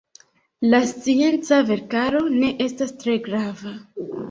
Lia scienca verkaro ne estas tre grava.